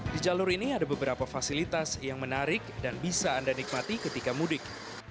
di jalur ini ada beberapa fasilitas yang menarik dan bisa anda nikmati ketika mudik